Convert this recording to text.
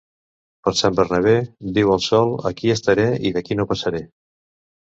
Per Sant Bernabé, diu el sol, aquí estaré i d'aquí no passaré.